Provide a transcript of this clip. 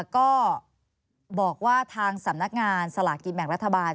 ก็บอกว่าทางสำนักงานสลากกินแบ่งรัฐบาล